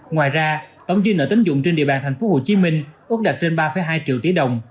ngoài ra tổng dư nợ tính dụng trên địa bàn tp hcm ước đạt trên ba hai triệu tỷ đồng